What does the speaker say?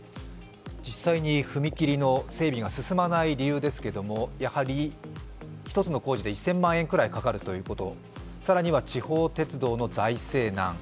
実際に踏切の整備が進まない理由ですけど一つの工事で１０００万円くらいかかるということ更には地方鉄道の財政難。